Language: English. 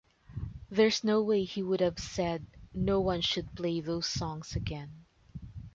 There's no way he would have said 'No-one should play those songs again.